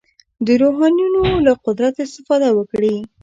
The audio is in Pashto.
د روحانیونو له قدرت استفاده وکړي.